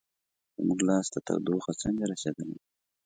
زموږ لاس ته تودوخه څنګه رسیدلې ده؟